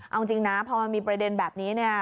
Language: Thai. เอาจริงนะพอมันมีประเด็นแบบนี้เนี่ย